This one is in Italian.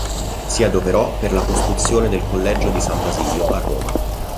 Si adoperò per la costruzione del Collegio di San Basilio a Roma.